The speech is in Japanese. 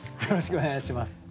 よろしくお願いします。